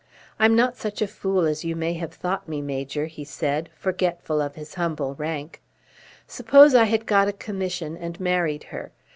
I'm not such a fool as you may have thought me, Major," he said, forgetful of his humble rank. "Suppose I had got a commission and married her.